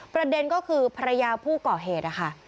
ประเด็นก็คือภรรยาผู้ก่อเหตุนะคะ